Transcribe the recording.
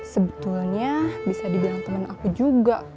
sebetulnya bisa dibilang teman aku juga